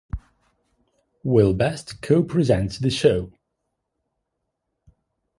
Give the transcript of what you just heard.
Will Best co-presents the show.